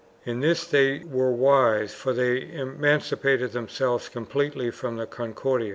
1 In this they were wise for they emancipated themselves completely from the Concordia.